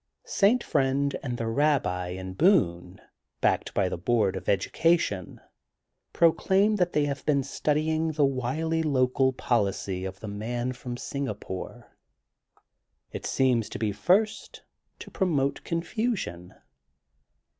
'' St. Friend and the Rabbi and Boone, backed by the Board of Education, proclaim that they have been studying the wily local policy of the man from Singapore. It seems to be THE GOLDEN BOOK OF SPRINGFIELD 168 first, to promote confusion.